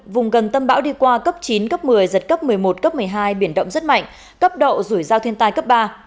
vùng gần tâm bão đi qua cấp chín cấp một mươi giật cấp một mươi một cấp một mươi hai biển động rất mạnh cấp độ rủi ro thiên tai cấp ba